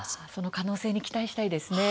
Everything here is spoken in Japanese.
可能性に期待したいですね。